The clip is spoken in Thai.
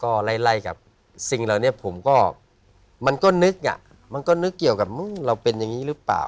ก็ไล่กับสิ่งเหล่านี้ผมก็มันก็นึกอ่ะมันก็นึกเกี่ยวกับมึงเราเป็นอย่างนี้หรือเปล่า